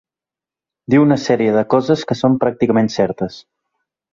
Diu una sèrie de coses que són pràcticament certes.